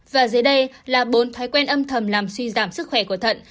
và dưới đây là bốn thói quen âm thầm làm suy giảm sức khỏe của thận